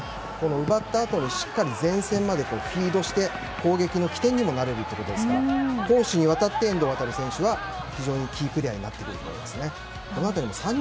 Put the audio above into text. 奪ったあとにしっかりと前線までフィードして攻撃の起点にもなるということで攻守にわたって遠藤選手は非常にキープレーヤーになってくると思います。